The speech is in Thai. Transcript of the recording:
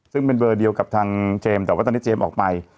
ซึ่งเป็นเบอร์เดียวกับทางเจมส์แต่ว่าตอนนี้เจมส์ออกไป